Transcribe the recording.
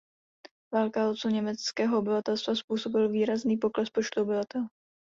Válka a odsun německého obyvatelstva způsobil výrazný pokles počtu obyvatel.